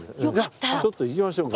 ちょっと行きましょうか。